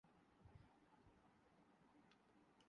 ہم چلتے چلتے دوست کے گھر پہنچے ۔